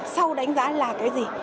sau đánh giá là cái gì